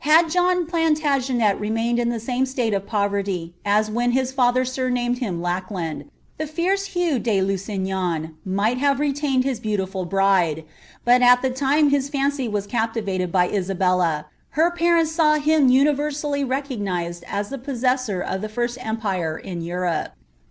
Had John Plautugenet remained in the same state of poverty aa wliio his father surnamed him Lackland, the fierce Hugh de Lusipisn nii^ have retained his beautiful bride ; hut at tlie time liia fancy trat capD vatetl by Isabella, her parents saw bim universally rect^ised ai lb possessor of the first empire in Europe.